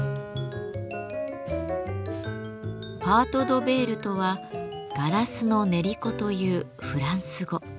パート・ド・ヴェールとは「ガラスの練り粉」というフランス語。